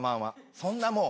そんなもう。